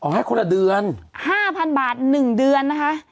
อ๋อให้คนละเดือนห้าพันบาทหนึ่งเดือนนะคะ